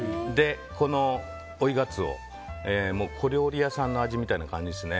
この追いがつお、小料理屋さんの味みたいな感じですね。